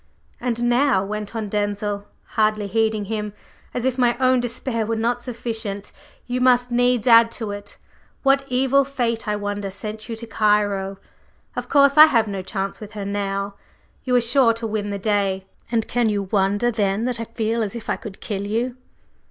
"And now," went on Denzil, hardly heeding him, "as if my own despair were not sufficient, you must needs add to it! What evil fate, I wonder, sent you to Cairo! Of course, I have no chance with her now; you are sure to win the day. And can you wonder then that I feel as if I could kill you?"